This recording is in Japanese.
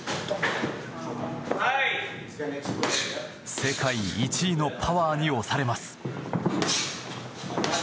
世界１位のパワーに押されます。